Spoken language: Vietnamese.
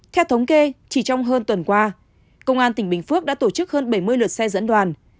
theo thống kê chỉ trong hơn tuần qua công an tỉnh bình phước đã tổ chức hơn bảy mươi lượt xe dẫn đoàn